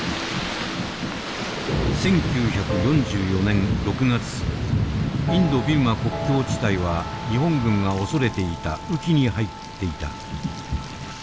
１９４４年６月インドビルマ国境地帯は日本軍が恐れていた雨期に入っていた。